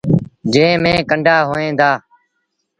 جݩهݩ ميݩ ڪنڊآ هوئين دآ۔